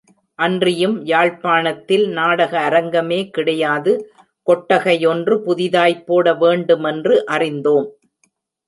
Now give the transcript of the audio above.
அன்றியும் யாழ்ப்பாணத்தில் நாடக அரங்கமே கிடையாது, கொட்டகையொன்று புதிதாய்ப் போட வேண்டுமென்று அறிந்தோம்.